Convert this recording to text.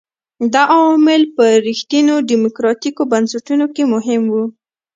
دا عوامل په رښتینو ډیموکراټیکو بنسټونو کې مهم وو.